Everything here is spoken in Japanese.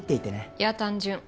いや単純。